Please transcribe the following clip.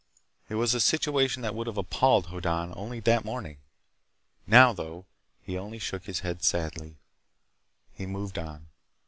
It was a situation that would have appalled Hoddan only that morning. Now, though, he only shook his head sadly. He moved on.